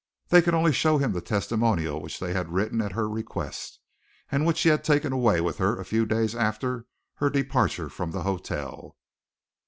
They could only show him the testimonial which they had written at her request, and which she had taken away with her a few days after her departure from the hotel.